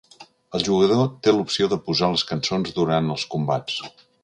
El jugador té l'opció de posar les cançons durant els combats.